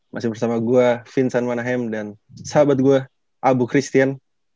masih bersama gue vincent manahem dan sahabat gue abu christian